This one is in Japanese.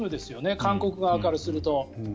韓国側からすると。